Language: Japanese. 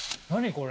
これ。